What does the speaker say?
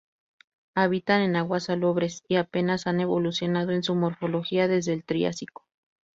Habitan en aguas salobres y apenas han evolucionado en su morfología desde el Triásico.